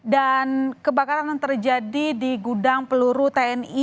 dan kebakaran yang terjadi di gudang peluru tni